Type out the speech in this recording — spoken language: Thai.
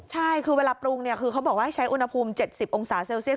ใช่คือเวลาปรุงเนี่ยคือเขาบอกว่าให้ใช้อุณหภูมิ๗๐องศาเซลเซียส